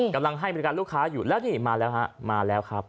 กำลังให้ไปกับลูกค้าอยู่แล้วนี่มาแล้วครับ